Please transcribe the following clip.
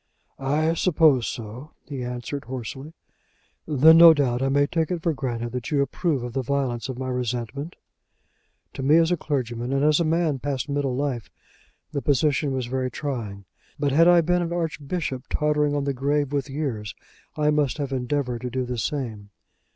"I suppose so," he answered, hoarsely. "Then, no doubt, I may take it for granted that you approve of the violence of my resentment? To me as a clergyman, and as a man past middle life, the position was very trying. But had I been an Archbishop, tottering on the grave with years, I must have endeavoured to do the same."